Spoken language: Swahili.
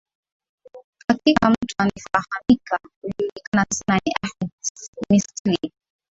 hakika mtu anayefahamika na kujulikana sana ni ahmed mistil